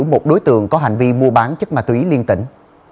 một đối tượng có hành vi mua bán chất ma túy liên tỉnh